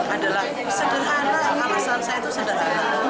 adalah sederhana alasan saya itu sederhana